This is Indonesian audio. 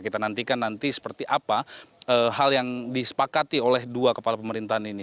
kita nantikan nanti seperti apa hal yang disepakati oleh dua kepala pemerintahan ini